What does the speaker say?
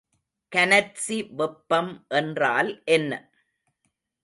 கனற்சி வெப்பம் என்றால் என்ன?